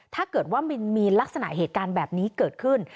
ถ้าเกิดว่ามันมีลักษณะเหตุการณ์แบบนี้เกิดขึ้น